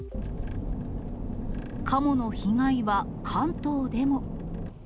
カモの被害は関東でも。